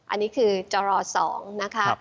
อันนี้คือจร๒นะคะ